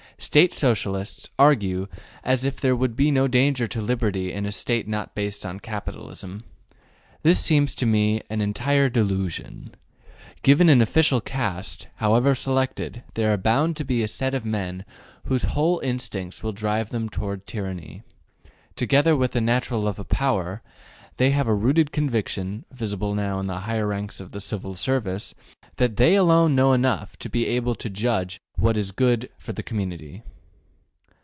State Socialists argue as if there would be no danger to liberty in a State not based upon capitalism. This seems to me an entire delusion. Given an official caste, however selected, there are bound to be a set of men whose whole instincts will drive them toward tyranny. Together with the natural love of power, they will have a rooted conviction (visible now in the higher ranks of the Civil Service) that they alone know enough to be able to judge what is for the good of the community.